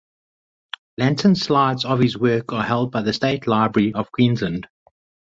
Lantern slides of his work are held by the State Library of Queensland.